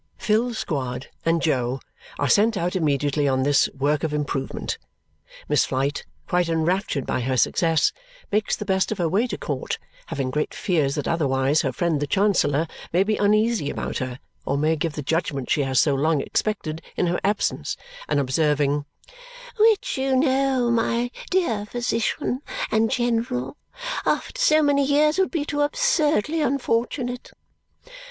Phil Squod and Jo are sent out immediately on this work of improvement. Miss Flite, quite enraptured by her success, makes the best of her way to court, having great fears that otherwise her friend the Chancellor may be uneasy about her or may give the judgment she has so long expected in her absence, and observing "which you know, my dear physician, and general, after so many years, would be too absurdly unfortunate!"